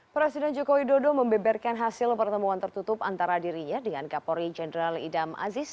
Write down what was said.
presiden jokowi dodo membeberkan hasil pertemuan tertutup antara dirinya dengan kapolri jenderal idam aziz